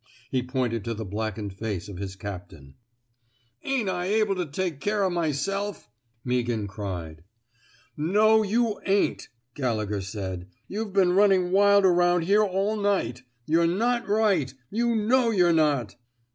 " He pointed to the blackened face of his captain. 242 A QUESTION OF RETIREMENT Ain't I able to take care of myself I '' Meaghan cried. *' No, you ain't,'' Gallegher said. You've been running wild around here all night. You're not right. You know you're not."